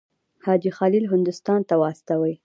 حاجي خلیل هندوستان ته واستوي.